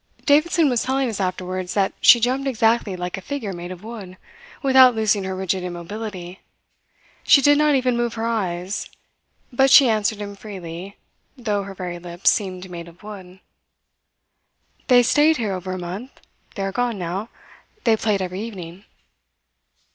Davidson was telling us afterwards that she jumped exactly like a figure made of wood, without losing her rigid immobility. She did not even move her eyes; but she answered him freely, though her very lips seemed made of wood. "They stayed here over a month. They are gone now. They played every evening."